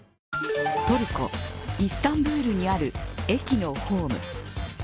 トルコ・イスタンブールにある駅のホーム。